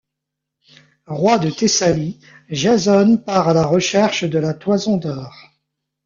Roi de Thessalie, Jason part à la recherche de la toison d'or.